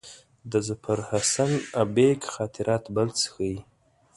د ظفرحسن آیبک خاطرات بل څه ښيي.